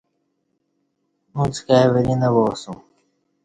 اݩڅ کائی وری نہ وا اسوم